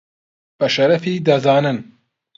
بە شەرەفی دەزانن